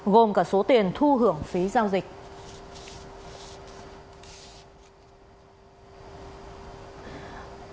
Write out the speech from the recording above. gồm cả số tiền thu hưởng phí giao dịch